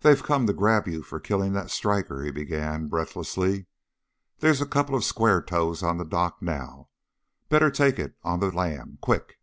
"They've come to grab you for killing that striker," he began, breathlessly; "there's a couple of 'square toes' on the dock now. Better take it on the 'lam' quick!"